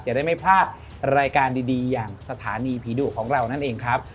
จะได้ไม่พลาดรายการดีอย่างสถานีผีดุของเรานั่นเองครับ